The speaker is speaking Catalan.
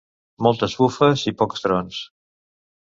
Moltes bufes i pocs trons.